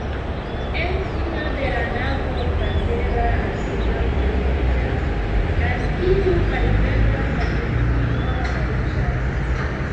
En fino de la navo oklatera absido troviĝas, al kiu malgranda sakristio aliĝas.